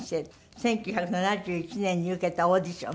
１９７１年に受けたオーディション。